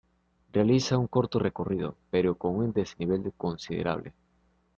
Realiza un corto recorrido, pero con un desnivel considerable.